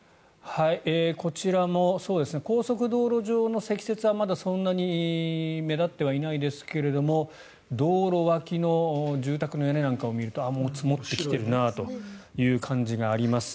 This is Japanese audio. こちらも高速道路上の積雪はまだそんなに目立ってはいませんが道路脇の住宅の屋根なんかを見るとああ、もう積もってきているなという感じがあります。